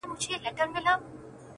o چي سُجده پکي، نور په ولاړه کيږي.